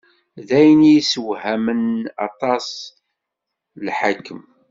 D ayen i yeswehmen aṭas lḥakem.